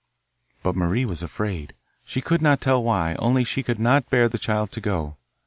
But Marie was afraid; she could not tell why, only she could not bear the child to go.